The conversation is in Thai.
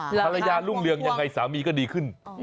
รุ่งเรืองยังไงสามีก็ดีขึ้น